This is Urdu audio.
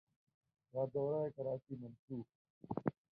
کا دورہ کراچی منسوخ